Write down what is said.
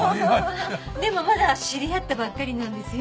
でもまだ知り合ったばっかりなんですよ。